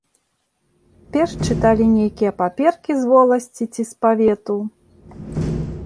Перш чыталі нейкія паперкі з воласці ці з павету.